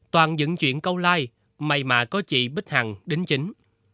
toàn dựng chuyện câu like may mạ có chị bích hằng đính chính